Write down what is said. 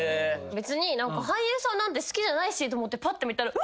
別に俳優さんなんて好きじゃないしと思ってぱっと見たら。